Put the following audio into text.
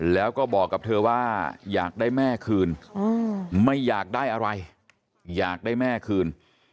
แล้วก็บอกกับเธอว่าอยากได้แม่คืนไม่อยากได้อะไรอยากได้แม่คืน